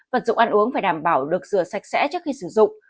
vật dụng ăn uống phải đảm bảo được rửa sạch sẽ trước khi sử dụng